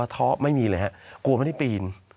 ท้อไม่มีเลยฮะกลัวไม่ได้ปีน